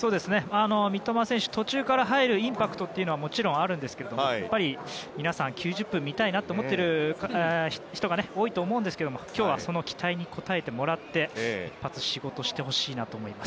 三笘選手、途中から入るインパクトというのはもちろんあるんですがやっぱり皆さん、９０分見たいと思っている人が多いと思うんですが今日はその期待に応えてもらって一発、仕事してほしいなと思います。